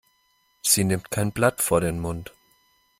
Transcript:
Sie nimmt kein Blatt vor den Mund.